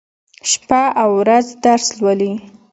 شپه او ورځ درس لولي.